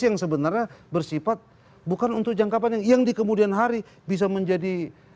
yang sebenarnya bersifat bukan untuk jangka panjang yang di kemudian hari bisa menjadi